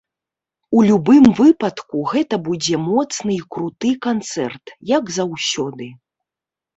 У любым выпадку, гэта будзе моцны і круты канцэрт, як заўсёды.